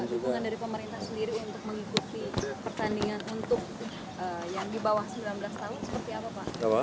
dukungan dari pemerintah sendiri untuk mengikuti pertandingan untuk yang di bawah sembilan belas tahun seperti apa pak